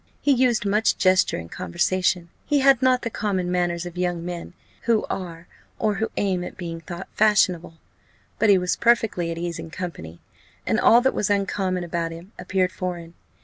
He used much gesture in conversation; he had not the common manners of young men who are, or who aim at being thought, fashionable, but he was perfectly at ease in company, and all that was uncommon about him appeared foreign.